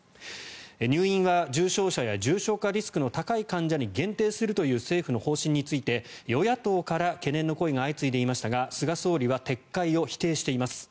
入院は重症者や重症化リスクの高い患者に限定するという政府の方針について与野党から懸念の声が相次いでいましたが菅総理は撤回を否定しています。